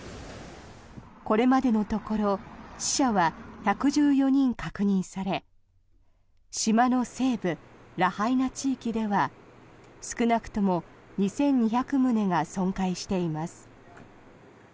これまでのところ死者は１１４人確認され島の西部、ラハイナ地域では少なくとも２２００棟が損壊しています。